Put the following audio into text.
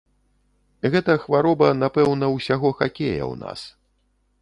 Гэта хвароба, напэўна, усяго хакея ў нас.